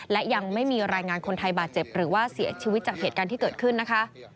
และยังไม่มีรายงานคนไทยบาดเจ็บหรือว่าเสียชีวิตจากเหตุการณ์ที่เกิดขึ้นนะคะ